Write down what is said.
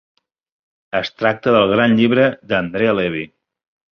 Es tracta del gran llibre d'Andrea Levy.